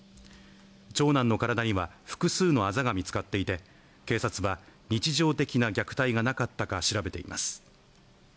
長男の体には複数のあざが見つかっていて警察は日常的な虐待がなかったか調べています